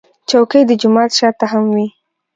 چوکۍ د جومات شا ته هم وي.